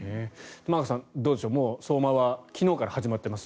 玉川さん、どうでしょう相馬は昨日から始まっています。